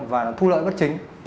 và thu lợi bất chính